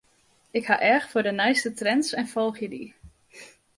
Ik ha each foar de nijste trends en folgje dy.